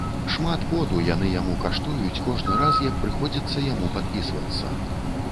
Шмат поту яны яму каштуюць кожны раз, як прыходзіцца яму падпісвацца.